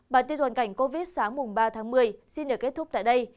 bản tin hoàn cảnh covid sáng mùng ba tháng một mươi xin được kết thúc tại đây